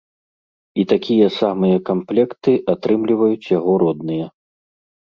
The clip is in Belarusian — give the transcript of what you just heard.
І такія самыя камплекты атрымліваюць яго родныя.